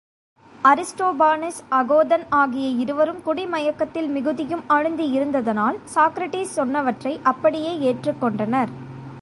Aristophanes, அகோதன் ஆகிய இருவரும் குடிமயக்கத்தில் மிகுதியும் அழுந்தி இருந்ததனால் சாக்ரடிஸ் சொன்னவற்றை அப்படியே ஏற்றுக் கொண்டனர்.